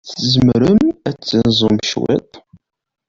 Tzemrem ad taẓem cwiṭ?